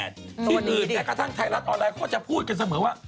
ที่อื่นแม้กระทั่งไทยรัฐออนไลน์ก็จะพูดกันเสมอว่า